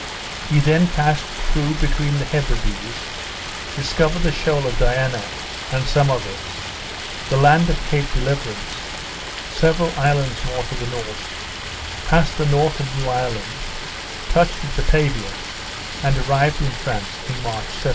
He then passed through between the Hebrides, discovered the Shoal of Diana, and some others, the land of Cape Deliverance, several islands more to the north, passed the north of New Ireland, touched at Batavia, and arrived in France in March, 1769.